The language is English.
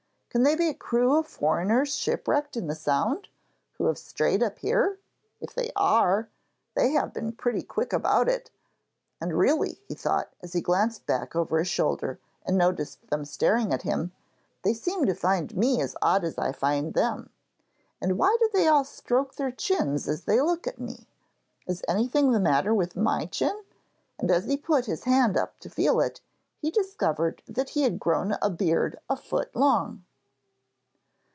Can they be a crew of foreigners shipwrecked in the Sound, who have strayed up here? If they are, they have been pretty quick about it. And really,' he thought as he glanced back over his shoulder and noticed them staring at him, 'they seem to find me as odd as I find them! And why do they all stroke their chins as they look at me? Is anything the matter with my chin?' and as he put his hand up to feel it, he discovered that he had grown a beard a foot long.